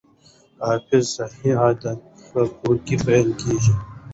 د حفظ الصحې عادات په کور کې پیل کیږي.